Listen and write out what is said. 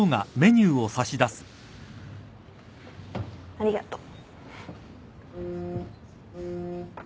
ありがとう。